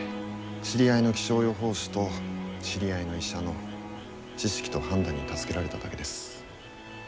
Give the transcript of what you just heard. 知り合いの気象予報士と知り合いの医者の知識と判断に助けられただけです。